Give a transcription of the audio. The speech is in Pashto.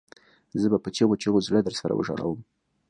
زه به په چیغو چیغو زړه درسره وژړوم